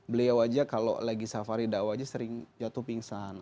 beliau aja kalau lagi safari dakwah aja sering jatuh pingsan